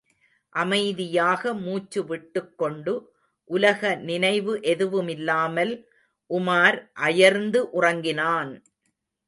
அமைதியாக மூச்சுவிட்டுக் கொண்டு உலக நினைவு எதுவுமில்லாமல் உமார் அயர்ந்து உறங்கினான்!